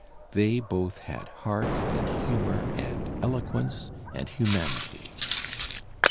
They both had heart and humour '^ and eloquence and humanity.